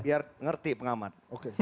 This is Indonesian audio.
biar ngerti pengamat